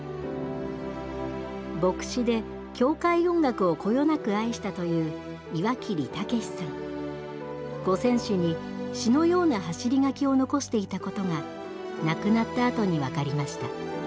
牧師で教会音楽をこよなく愛したという五線紙に詩のような走り書きを残していたことが亡くなったあとに分かりました。